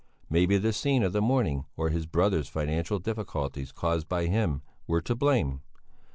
Maybe the scene of the morning or his brother's financial difficulties caused by him were to blame?